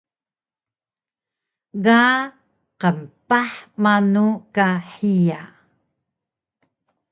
Ga qmpah manu ka hiya?